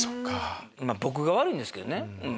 僕が悪いんですけどね。